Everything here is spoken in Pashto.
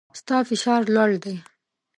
ستا فشار لوړ دی